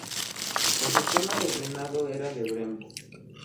El sistema de frenado era de Brembo.